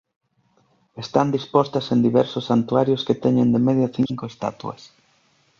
Están dispostas en diversos santuarios que teñen de media cinco estatuas.